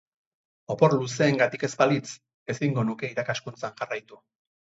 Opor luzeengatik ez balitz, ezingo nuke irakaskuntzan jarraitu.